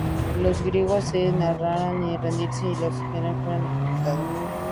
Los griegos se negaron a rendirse y los generales fueron ejecutados.